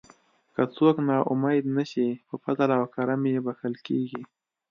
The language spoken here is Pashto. که څوک نا امید نشي په فضل او کرم یې بښل کیږي.